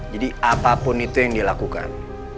jadi apapun itu yang dia lakukan